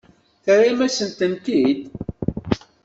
Terram-asen-ten-id?